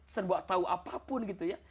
serba tahu apapun gitu ya